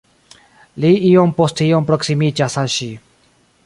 Li iom post iom proksimiĝas al ŝi.